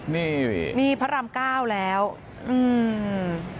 นี่นี่พระรามเก้าแล้วอืม